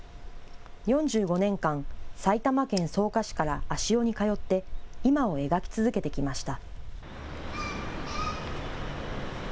４５年間、埼玉県草加市から足尾に通って今を描き続けてきました。